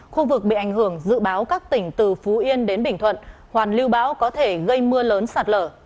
khu vực bị ảnh hưởng dự báo các tỉnh từ phú yên đến bình thuận hoàn lưu bão có thể gây mưa lớn sạt lở